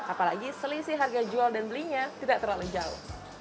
apalagi selisih harga jual dan belinya tidak terlalu jauh